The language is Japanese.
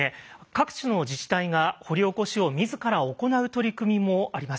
各地の自治体が掘り起こしを自ら行う取り組みもあります。